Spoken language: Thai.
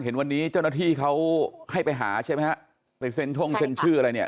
เห็นวันนี้เจ้าหน้าที่เขาให้ไปหาใช่ไหมฮะไปเซ็นท่งเซ็นชื่ออะไรเนี่ย